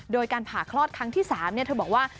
โดยการผ่าคลอดครั้งที่๓เธอบอกว่า